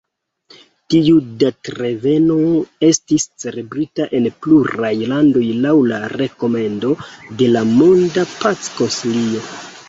Tiu datreveno estis celebrita en pluraj landoj laŭ la rekomendo de la Monda Pac-Konsilio.